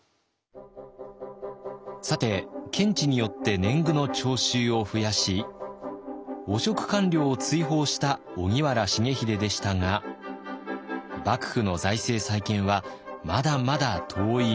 さて検地によって年貢の徴収を増やし汚職官僚を追放した荻原重秀でしたが幕府の財政再建はまだまだ遠い道のり。